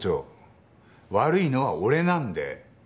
悪いのは俺なんで。